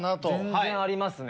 全然ありますね。